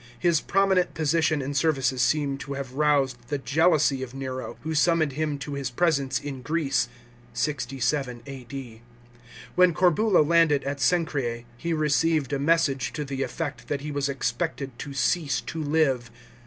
His prominent position and services seem to have roused the jealousy of Nero, who summoned him to his presence in Greece (67 A.D.). When Corbulo landed at Cenchrea?, he received a message to the effect that he was expected to cease to live.